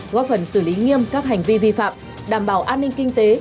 góp phần xử lý nghiêm các hành vi vi phạm đảm bảo an ninh kinh tế